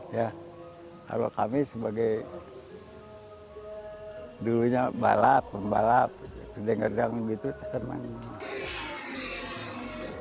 ya kalau kami sebagai dulunya balap pembalap denger denger gitu kesan manis